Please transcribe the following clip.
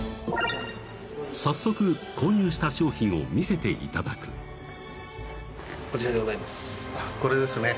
早速購入した商品を見せていただくこちらでございます